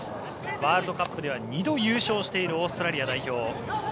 ワールドカップでは２度優勝しているオーストラリア代表。